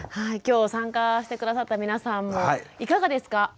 今日参加して下さった皆さんもいかがですか？